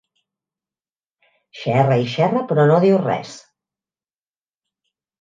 Xerra i xerra però no diu res.